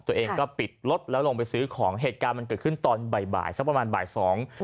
ตัวเองก็ปิดรถแล้วลงไปซื้อของเหตุการณ์มันเกิดขึ้นตอนบ่ายบ่ายสักประมาณบ่ายสอง